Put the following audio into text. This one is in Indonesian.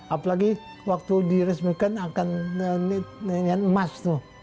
apalagi waktu diresmikan akan dengan emas tuh